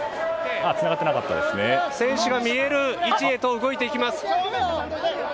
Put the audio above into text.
選手が見える位置へと動いていきます。